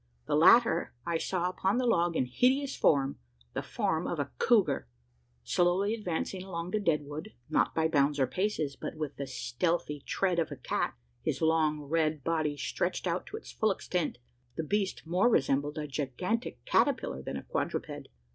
The latter I saw upon the log in hideous form the form of a couguar! Slowly advancing along the dead wood not by bounds or paces, but with the stealthy tread of a cat his long red body stretched out to its full extent the beast more resembled a gigantic caterpillar than a quadruped.